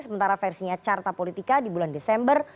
sementara versinya carta politika di bulan desember